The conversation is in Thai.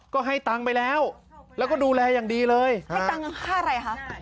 ก็ให้ตังค์ไปแล้วแล้วก็ดูแลอย่างดีเลยให้ตังค์ค่าอะไรคะ